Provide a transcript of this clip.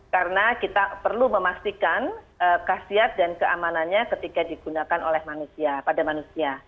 karena kita perlu memastikan kesehatan dan keamanannya ketika digunakan pada manusia